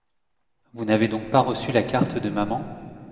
Vous n’avez donc pas reçu la carte de maman ?